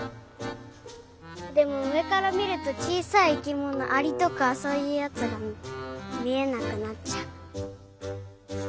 でもうえからみるとちいさい生きものアリとかそういうやつがみえなくなっちゃう。